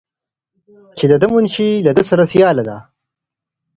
چې د ده منشي له ده سره سیاله ده.